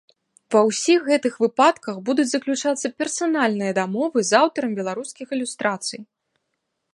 Ва ўсіх гэтых выпадках будуць заключацца персанальныя дамовы з аўтарам беларускіх ілюстрацый.